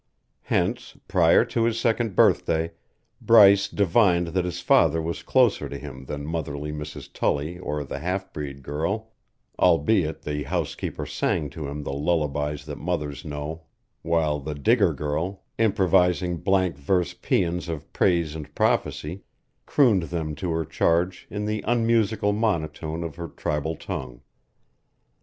Hence, prior to his second birthday, Bryce divined that his father was closer to him than motherly Mrs. Tully or the half breed girl, albeit the housekeeper sang to him the lullabys that mothers know while the Digger girl, improvising blank verse paeans of praise and prophecy, crooned them to her charge in the unmusical monotone of her tribal tongue.